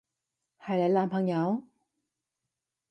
係你男朋友？